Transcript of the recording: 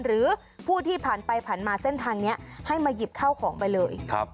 หรือผู้ที่ผ่านไปผ่านมาเส้นทางนี้ให้มาหยิบเข้าของไปเลย